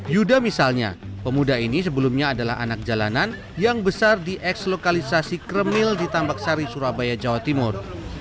yuda misalnya pemuda ini sebelumnya adalah anak jalanan yang besar di eks lokalisasi kremil di tambak sari surabaya jawa timur